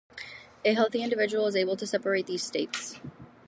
A healthy individual is able to separate these states.